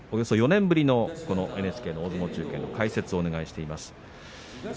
４年ぶりのＮＨＫの大相撲中継の解説をお願いしています。